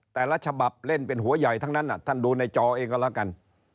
แต่ละฉบับเล่นเป็นหัวใหญ่ทั้งนั้นท่านดูในจอเองก็แล้วกัน